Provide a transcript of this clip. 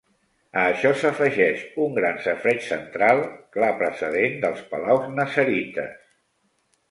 A això s'afegeix un gran safareig central, clar precedent dels palaus nassarites.